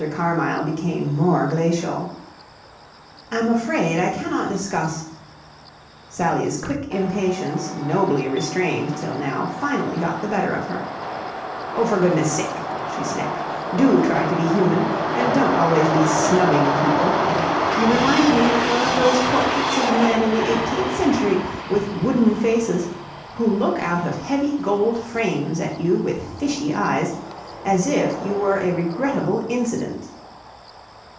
Carmyle became more glacial. "I'm afraid I cannot discuss..." Sally's quick impatience, nobly restrained till now, finally got the better of her. "Oh, for goodness' sake," she snapped, "do try to be human, and don't always be snubbing people. You remind me of one of those portraits of men in the eighteenth century, with wooden faces, who look out of heavy gold frames at you with fishy eyes as if you were a regrettable incident."